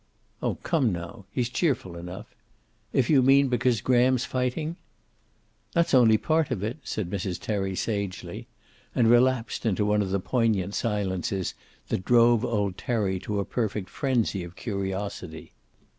"Oh, come now. He's cheerful enough. If you mean because Graham's fighting?" "That's only part of it," said Mrs. Terry, sagely, and relapsed into one of the poignant silences that drove old Terry to a perfect frenzy of curiosity.